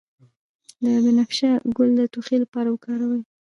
د بنفشه ګل د ټوخي لپاره وکاروئ